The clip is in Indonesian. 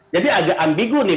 jadi agak ambigu nih